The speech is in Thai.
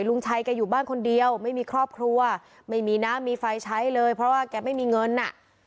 ลุงชัยแกอยู่บ้านคนเดียวไม่มีครอบครัวไม่มีน้ำมีไฟใช้เลยเพราะว่าแกไม่มีเงินอ่ะ